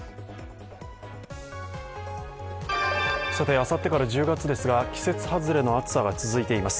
あさってから１０月ですが、季節外れの暑さが続いています。